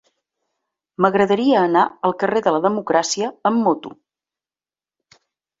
M'agradaria anar al carrer de la Democràcia amb moto.